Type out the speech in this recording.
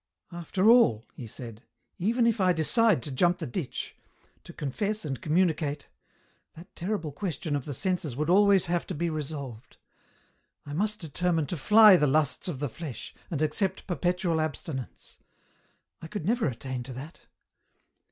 " After all," he said, " even if I decide to jump the ditch, to confess and communicate, that terrible question of the senses would always have to be resolved. I must determine to fly the lusts of the flesh, and accept perpetual abstinence. I could never attain to that.